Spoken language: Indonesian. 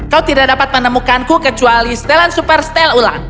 kau tidak dapat menemukanku kecuali setelan super setel ulang